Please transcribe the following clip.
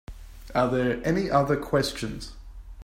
Are there any other questions?